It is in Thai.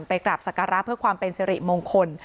ไปกราบสักการะเพื่อความเป็นเสร็จมงคล